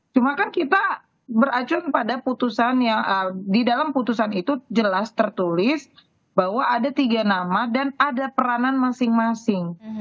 cuma kan kita beracun pada putusan yang di dalam putusan itu jelas tertulis bahwa ada tiga nama dan ada peranan masing masing